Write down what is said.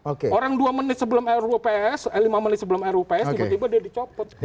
orang dua menit sebelum rups lima menit sebelum rups tiba tiba dia dicopot